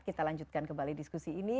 kita lanjutkan kembali diskusi ini